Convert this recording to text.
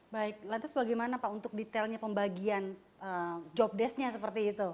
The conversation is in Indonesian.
baik lantas bagaimana pak untuk detailnya pembagian jobdesknya seperti itu